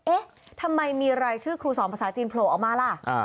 เอ๊ะทำไมมีรายชื่อครูสอนภาษาจีนโผล่ออกมาล่ะ